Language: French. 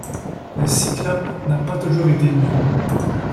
Le cyclope n'a pas toujours été nu.